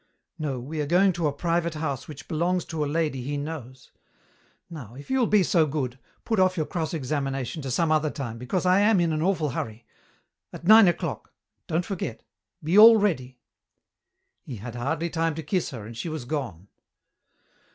"No, we are going to a private house which belongs to a lady he knows. Now, if you'll be so good, put off your cross examination to some other time, because I am in an awful hurry. At nine o'clock. Don't forget. Be all ready." He had hardly time to kiss her and she was gone.